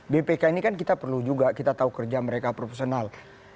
bpk ini kan kita perlu juga kita tahu kerja mereka profesional